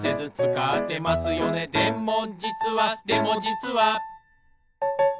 「でもじつはでもじつは」